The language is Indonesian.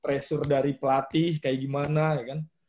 pressure dari pelatih kayak gimana ya kan